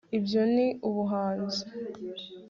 ibyo ni ubuhanzi